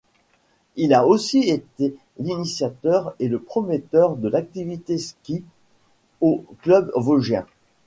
Il a aussi été l'initiateur et le promoteur de l'activité ski au club vosgien.